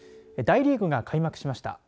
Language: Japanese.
大リーグが開幕しました。